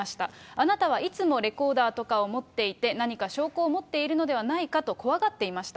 あなたはいつもレコーダーとかを持っていて、何か証拠を持っているのではないかと怖がっていました。